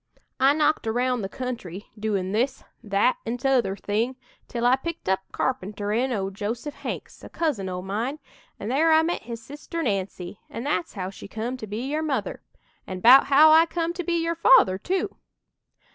I knocked aroun' the country, doin' this, that an' t'other thing till I picked up carpenterin' o' Joseph Hanks, a cousin o' mine, an' there I met his sister Nancy, an' that's how she come to be your mother an' 'bout how I come to be your father, too!"